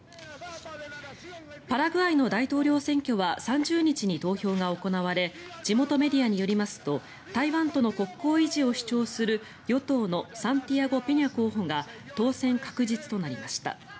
パラグアイの大統領選挙は３０日に投票が行われ地元メディアによりますと台湾との国交維持を主張する与党のサンティアゴ・ペニャ候補が当選確実となりました。